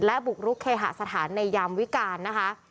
และบุกรุกเคหสถานในยามวิการนะคะ